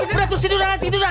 udah tuh tidur dah tidur dah